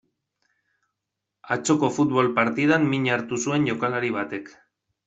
Atzoko futbol partidan min hartu zuen jokalari batek.